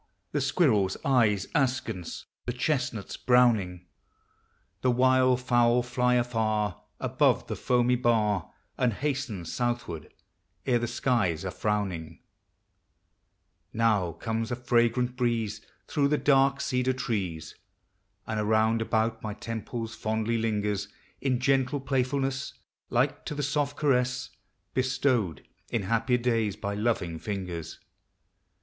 " [The squirrel eyes askance the chestnuts brown ing; 148 POEMS OF XATURE. The wild fowl fly afar Above the foamy bar, And hasten southward ere the skies are frowning »• Now comes a fragrant breeze Through the dark cedar trees, And round about my temples fondly lingers, In gentle playfulness, Like to the soft caress Bestowed in happier days by loving fingers.